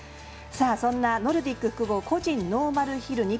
そんなノルディック複合個人ノーマルヒル